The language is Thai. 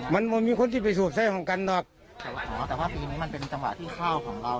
มันไม่มีคนที่ไปสูบไส้ของกันหรอกแต่ว่าอ๋อแต่ว่าปีนี้มันเป็นจังหวะที่ข้าวของเรา